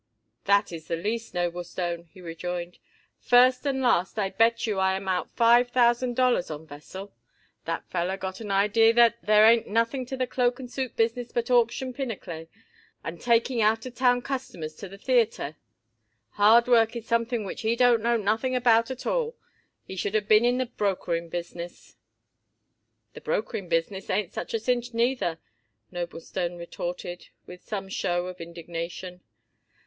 "That is the least, Noblestone," he rejoined. "First and last I bet you I am out five thousand dollars on Vesell. That feller got an idee that there ain't nothing to the cloak and suit business but auction pinochle and taking out of town customers to the theayter. Hard work is something which he don't know nothing about at all. He should of been in the brokering business." "The brokering business ain't such a cinch neither," Noblestone retorted with some show of indignation.